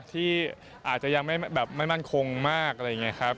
ที่อาจจะยังไม่แบบไม่มั่นคงมากอะไรอย่างนี้ครับ